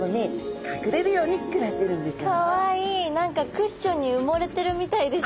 何かクッションに埋もれてるみたいですね。